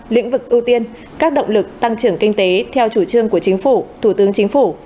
lĩnh vực ưu tiên các động lực tăng trưởng kinh tế theo chủ trương của chính phủ thủ tướng chính phủ